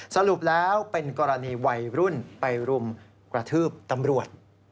สรุปแล้วเป็นกรณีวัยรุ่นไปรุมกระทืบตำรวจ